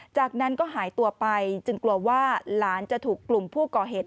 จากนั้นก็หายตัวไปจึงกลัวว่าหลานจะถูกกลุ่มผู้ก่อเหตุ